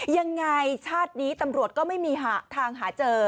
ยังไงชาตินี้ตำรวจก็ไม่มีทางหาเจอ